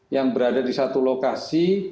yang berada di satu lokasi